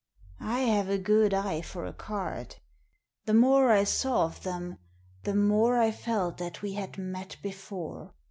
I have a good eye for a card. The more I saw of them the more I felt that we had met before.